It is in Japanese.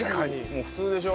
もう普通でしょ？